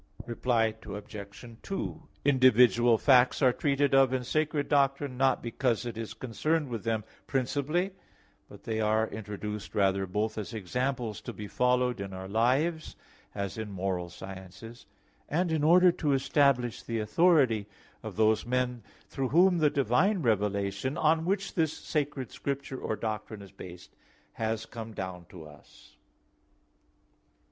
Reply Obj. 2: Individual facts are treated of in sacred doctrine, not because it is concerned with them principally, but they are introduced rather both as examples to be followed in our lives (as in moral sciences) and in order to establish the authority of those men through whom the divine revelation, on which this sacred scripture or doctrine is based, has come down to us.